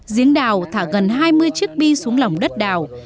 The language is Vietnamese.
giếng đào thả gần hai mươi chiếc bi xuống lòng đất đào